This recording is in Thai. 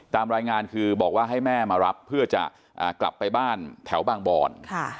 ตามรายงานคือบอกว่าให้แม่มารับเพื่อจะกลับไปบ้านแถวบางบอน